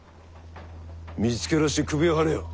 見つけ出して首をはねよ。